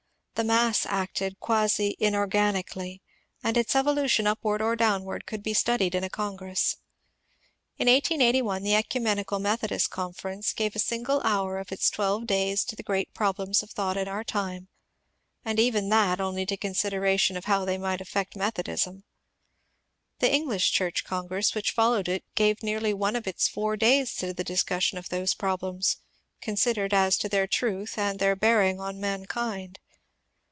The mass acted quasi inorganicaUy, and its evolution upward or downward could be studied in a congress. In 1881 the Ecimienical Methodist Conference gave a single hour of its twelve days to the great problems of thought in our time, and even that only to consideration of how they might affect Methodism. The English Church Con gress, which followed it, gave nearly one of its four days to the discussion of those problems, considered as to their truth and their bearing on mankind.